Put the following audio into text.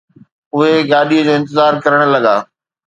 اهي گاڏيءَ جو انتظار ڪرڻ لڳا